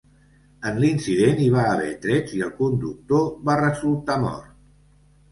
En l’incident hi va haver trets i el conductor va resultar mort.